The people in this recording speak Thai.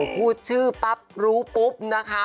พูดชื่อปั๊บรู้ปุ๊บนะคะ